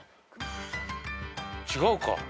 違うか。